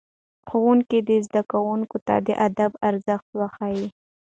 ښوونکي دي زدهکوونکو ته د ادب ارزښت وښيي.